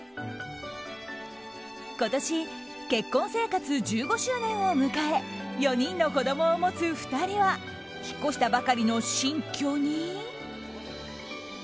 今年、結婚生活１５周年を迎え４人の子供を持つ２人は引っ越したばかりの新居に。